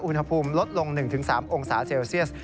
อุณหภูมิลดลง๑๓องศาเซลเซียส